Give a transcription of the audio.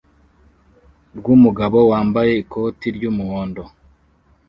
rwumugabo wambaye ikoti ry'umuhondo